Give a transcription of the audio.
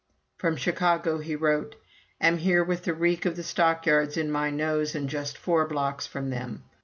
From Chicago he wrote: "Am here with the reek of the stockyards in my nose, and just four blocks from them.